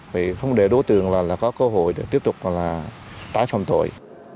vì không để đối tượng là có cơ hội để tiếp tục là tái phạm tội